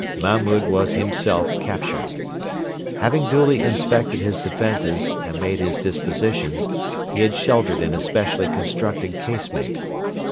Mahmud was himself captured. Having duly inspected his defences and made his dispositions, he had sheltered in a specially constructed casemate.